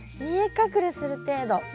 見え隠れする程度。